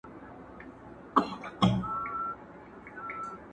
• نکړې چا راټولي ستا تر غېږي اواره ګرځي,